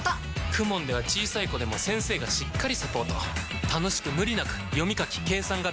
ＫＵＭＯＮ では小さい子でも先生がしっかりサポート楽しく無理なく読み書き計算が身につきます！